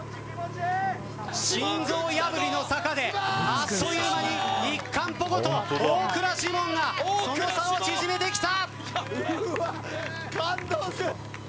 心臓破りの坂であっという間に大倉士門がその差を縮めてきた！